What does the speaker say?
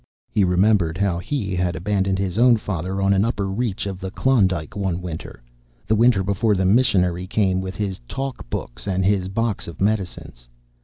He remembered how he had abandoned his own father on an upper reach of the Klondike one winter, the winter before the missionary came with his talk books and his box of medicines.